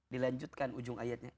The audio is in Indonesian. dilanjutkan ujung ayatnya